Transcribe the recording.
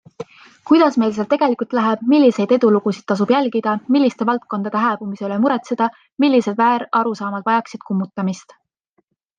Kuidas meil seal tegelikult läheb, milliseid edulugusid tasub jälgida, milliste valdkondade hääbumise üle muretseda, millised väärarusaamad vajaksid kummutamist.